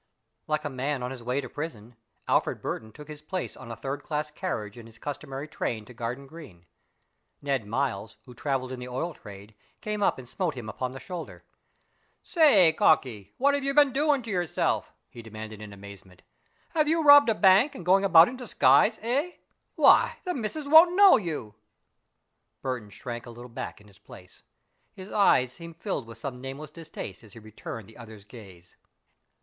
Like a man on his way to prison, Alfred Burton took his place in a third class carriage in his customary train to Garden Green. Ned Miles, who travelled in the oil trade, came up and smote him upon the shoulder. "Say, cocky, what have you been doing to yourself?" he demanded in amazement. "Have you robbed a bank and going about in disguise, eh? Why, the missis won't know you!" Burton shrank a little back in his place. His eyes seemed filled with some nameless distaste as he returned the other's gaze.